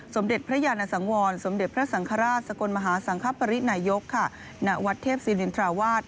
สมเด็จพระยานสังวรสมเด็จพระสังฆราชสกลมหาสังคปรินายกณวัดเทพศิรินทราวาส